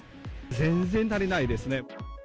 全然足りないですね。